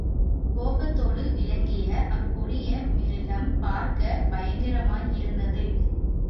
கோபத்தோடு விளங்கிய அக்கொடிய மிருகம் பார்க்கப் பயங்கரமாயிருந்தது.